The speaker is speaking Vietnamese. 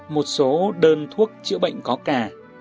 một số đơn thuốc chữa bệnh có cà